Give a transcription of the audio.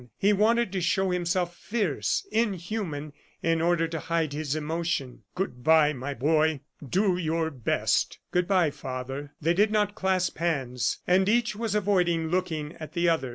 He wanted to show himself fierce, inhuman, in order to hide his emotion. "Good bye, my boy! Do your best." "Good bye, father." They did not clasp hands, and each was avoiding looking at the other.